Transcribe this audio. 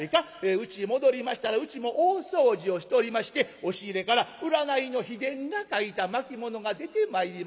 『うちへ戻りましたらうちも大掃除をしておりまして押し入れから占いの秘伝が書いた巻物が出てまいりました』。